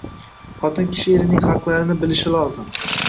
Xotin kishi erining haqlarini bilishi lozim.